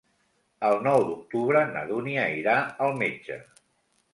El nou d'octubre na Dúnia irà al metge.